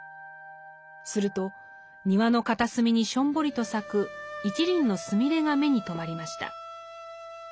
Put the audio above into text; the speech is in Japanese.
すると庭の片隅にしょんぼりと咲く一輪のスミレが目に留まりました。